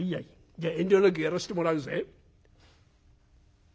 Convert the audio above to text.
じゃ遠慮なくやらしてもらうぜ」。